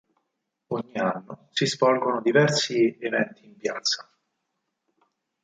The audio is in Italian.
Ogni anno si svolgono diversi eventi in piazza.